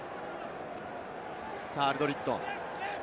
アルドリット。